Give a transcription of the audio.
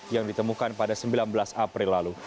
yang ditemukan pada sembilan belas april lalu